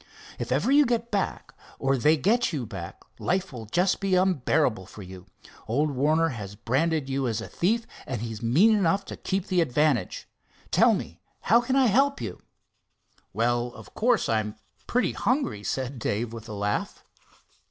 "If ever you go back, or they get you back, life will just be unbearable to you. Old Warner has branded you as a thief, and he's mean enough to keep the advantage. Tell me, how can I help you?" "Well, of course I'm pretty hungry," said Dave with a laugh.